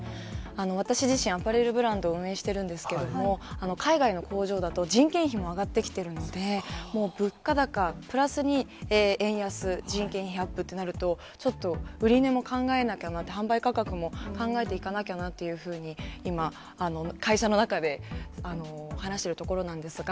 私自身、アパレルブランドを運営してるんですけれども、海外の工場だと人件費も上がってきているので、もう物価高プラスに円安、人件費アップとなると、ちょっと売り値も考えなきゃなと、販売価格も考えていかなきゃなっていうふうに、今、会社の中で話しているところなんですが。